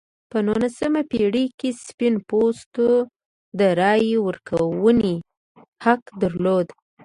په نولسمې پېړۍ کې سپین پوستو د رایې ورکونې حق درلود.